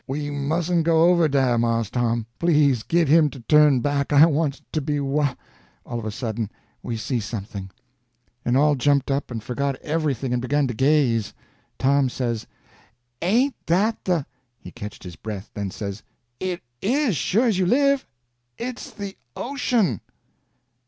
We mustn't go over dah, Mars Tom. Please git him to turn back; I wants to be whah—" All of a sudden we see something, and all jumped up, and forgot everything and begun to gaze. Tom says: "Ain't that the—" He catched his breath, then says: "It is, sure as you live! It's the ocean!"